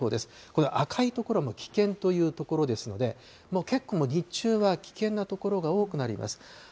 この赤い所も危険という所ですので、もう結構、日中は危険な所が多くあります。